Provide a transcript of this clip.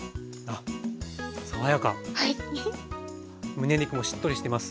むね肉もしっとりしてます。